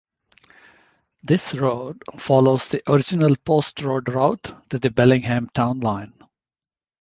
This road follows the original Post Road route to the Bellingham town line.